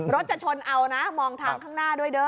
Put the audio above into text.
จะชนเอานะมองทางข้างหน้าด้วยเด้อ